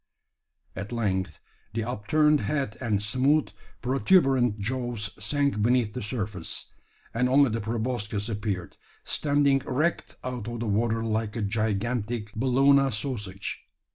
At length the upturned head and smooth protuberant jaws sank beneath the surface; and only the proboscis appeared, standing erect out of the water like a gigantic Bologna sausage.